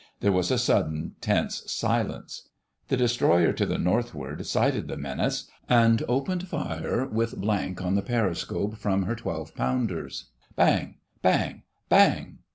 There was a sudden tense silence. The Destroyer to the Northward sighted the menace and opened fire with blank on the periscope from her 12 pounders. "Bang! ... Bang! Bang!"